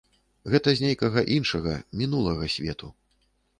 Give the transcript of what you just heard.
Гэта з нейкага іншага, мінулага, свету.